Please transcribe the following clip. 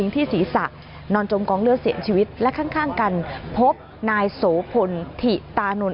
ที่ศีรษะนอนจมกองเลือดเสียชีวิตและข้างกันพบนายโสพลถิตานนท